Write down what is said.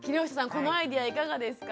このアイデアいかがですか？